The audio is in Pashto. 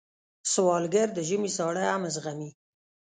سوالګر د ژمي سړه هم زغمي